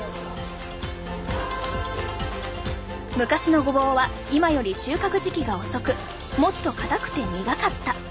昔のごぼうは今より収穫時期が遅くもっとかたくて苦かった。